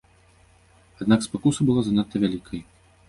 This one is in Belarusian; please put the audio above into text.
Аднак спакуса была занадта вялікай.